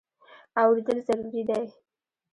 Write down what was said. اورېدل ضروري دی.